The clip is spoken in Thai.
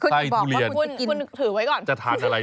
ไซส์ลำไย